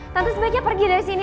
tentu sebaiknya pergi dari sini